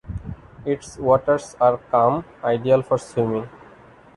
Its waters are calm, ideal for swimming.